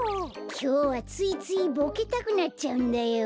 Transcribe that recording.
きょうはついついボケたくなっちゃうんだよ。